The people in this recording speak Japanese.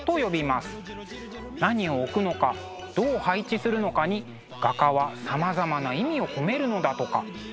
何を置くのかどう配置するのかに画家はさまざまな意味を込めるのだとか。